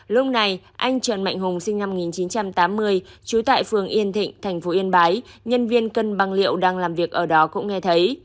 lúc này anh trần mạnh hùng sinh năm một nghìn chín trăm tám mươi trú tại phường yên thịnh thành phố yên bái nhân viên cân băng liệu đang làm việc ở đó cũng nghe thấy